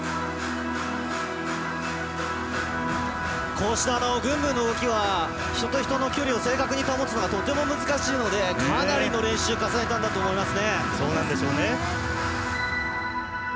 こうした群舞の動きは人と人の距離を正確に保つのがとても難しいのでかなり練習重ねたんだと思います。